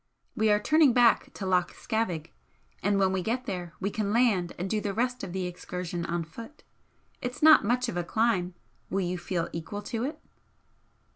We are turning back to Loch Scavaig, and when we get there we can land and do the rest of the excursion on foot. It's not much of a climb; will you feel equal to it?"